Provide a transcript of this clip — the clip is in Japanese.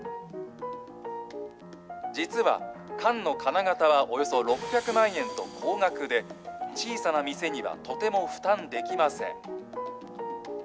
実は缶の金型はおよそ６００万円と高額で、小さな店にはとても負担できません。